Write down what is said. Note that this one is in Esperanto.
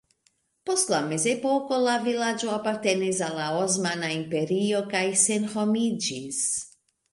Post la mezepoko la vilaĝo apartenis al la Osmana Imperio kaj senhomiĝis.